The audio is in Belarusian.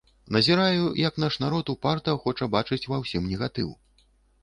Назіраю, як наш народ упарта хоча бачыць ва ўсім негатыў.